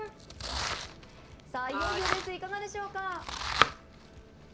いよいよです、いかがでしょうか。